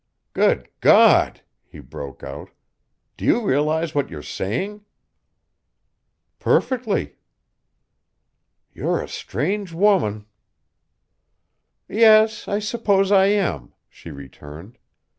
"God God!" he broke out. "Do you realize what you're saying?" "Perfectly." "You're a strange woman." "Yes, I suppose I am," she returned.